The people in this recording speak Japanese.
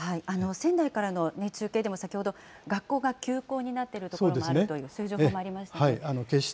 仙台からの中継でも、先ほど、学校が休校になっている所もあるという、そういう情報もありましたけど。